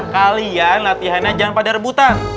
kalian latihannya jangan pada rebutan